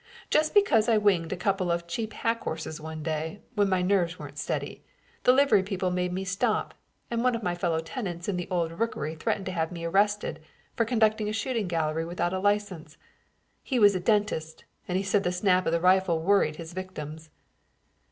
Just because I winged a couple of cheap hack horses one day, when my nerves weren't steady, the livery people made me stop, and one of my fellow tenants in the old rookery threatened to have me arrested for conducting a shooting gallery without a license. He was a dentist, and he said the snap of the rifle worried his victims."